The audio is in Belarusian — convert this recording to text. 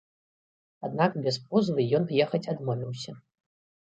Аднак без позвы ён ехаць адмовіўся.